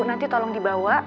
nanti tolong dibawa